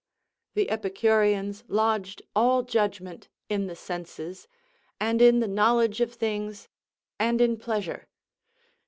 The Epicureans lodged all judgment in the senses, and in the knowledge of things, and in pleasure.